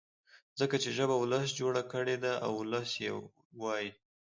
ځکه چي ژبه ولس جوړه کړې ده او ولس يې وايي.